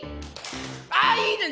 ああいいね！